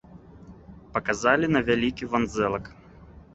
Паказалі на вялікі вандзэлак.